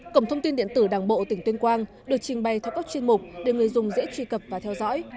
cổng thông tin điện tử đảng bộ tỉnh tuyên quang được trình bày theo các chuyên mục để người dùng dễ truy cập và theo dõi